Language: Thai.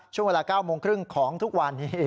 ช่วงเวลา๙โมงครึ่งของทุกวันนี้